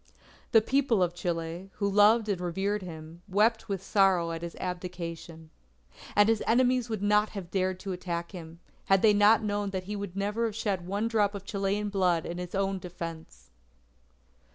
The People of Chile, who loved and revered him, wept with sorrow at his abdication. And his enemies would not have dared to attack him, had they not known that he would never shed one drop of Chilean blood in his own defense.